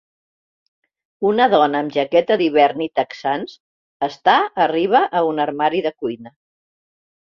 Una dona amb jaqueta d'hivern i texans està arriba a un armari de cuina.